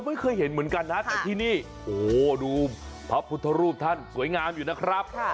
ไม่เคยเห็นเหมือนกันนะแต่ที่นี่โอ้โหดูพระพุทธรูปท่านสวยงามอยู่นะครับ